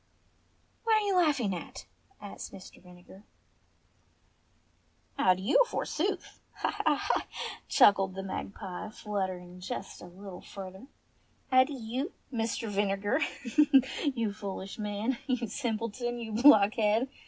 "What are you laughing at V asked Mr. Vinegar. <^>««^»«y'" "At you, forsooth !" chuckled the magpie, fluttering just a little further. "At yow, Mr. Vinegar, you foolish man — you simpleton — you blockhead